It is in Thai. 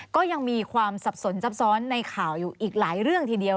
ก็ยังมีความสับสนซับซ้อนในข่าวอยู่อีกหลายเรื่องทีเดียว